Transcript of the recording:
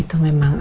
itu memang ada